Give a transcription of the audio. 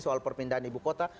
soal pemindahan ibu kota